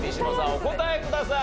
お答えください。